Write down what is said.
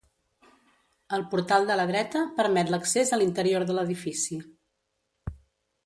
El portal de la dreta permet l'accés a l'interior de l'edifici.